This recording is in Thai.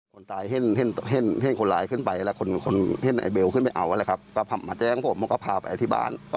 เขาก็พูดเรื่องจริงนี้แหละประมาณว่ายืมเงินยืมทองประมาณนี้แหละครับ